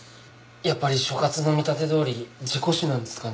やっぱり所轄の見立てどおり事故死なんですかね？